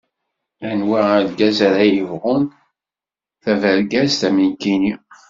Anwa argaz ara yebɣun tabergazt am nekkini?